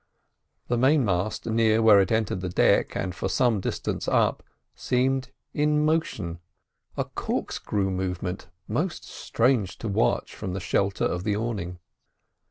The main mast near where it entered the deck, and for some distance up, seemed in motion—a corkscrew movement most strange to watch from the shelter of the awning.